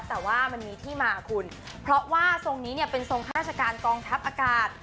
แต่ว่ามันมีที่มาคุณเพราะว่าทรงนี้เนี่ยเป็นทรงข้าราชการกองทัพอากาศ